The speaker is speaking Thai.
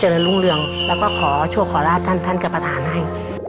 แล้วก็ขอโชคขอราชท่านกระปทานให้